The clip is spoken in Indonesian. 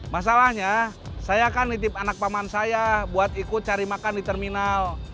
masalahnya saya kan nitip anak paman saya buat ikut cari makan di terminal